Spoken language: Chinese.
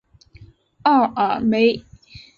奥尔梅。